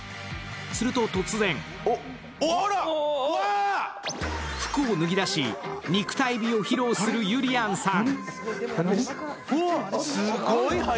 すると突然、服を脱ぎ出し、肉体美を披露するゆりやんさん。